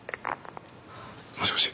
もしもし？